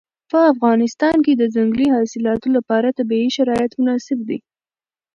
په افغانستان کې د ځنګلي حاصلاتو لپاره طبیعي شرایط مناسب دي.